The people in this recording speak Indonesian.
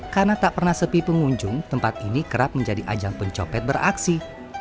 karena tak pernah sepi pengunjung tempat ini kerap menjadi ajang pencopet beraksi